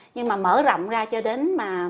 nhưng mà mở rộng ra cho đến